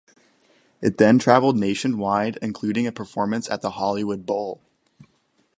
It then traveled nationwide, including a performance at the Hollywood Bowl.